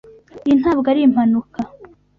Iyi ntabwo ari impanuka